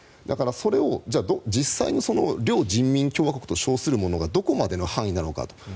だから、それを実際の両人民共和国と称するものがどこまでの範囲なのかと。